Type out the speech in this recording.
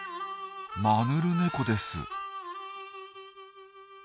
マヌルネコです。